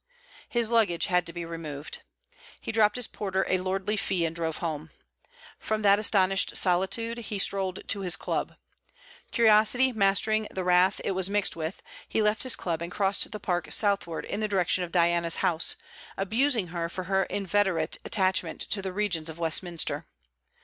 His luggage had to be removed. He dropped his porter a lordly fee and drove home. From that astonished solitude he strolled to his Club. Curiosity mastering the wrath it was mixed with, he left his Club and crossed the park southward in the direction of Diana's house, abusing her for her inveterate attachment to the regions of Westminster.